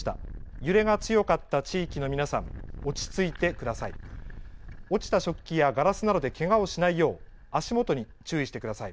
揺れが強かった地域の皆さん、落ち着いてください。